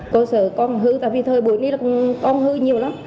tụi này là con hư nhiều lắm